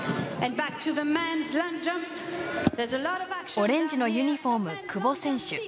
オレンジのユニフォーム久保選手。